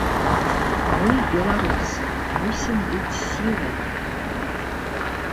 Мы, беларусы, мусім быць сілай.